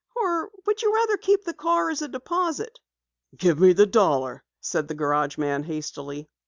"Or would you rather keep the car as a deposit?" "Give me the dollar," said the garage man hastily.